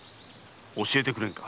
教えてくれんか？